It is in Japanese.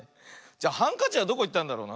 じゃハンカチはどこいったんだろうな。